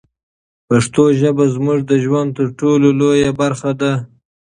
پښتو ژبه زموږ د ژوند تر ټولو لویه برخه ده.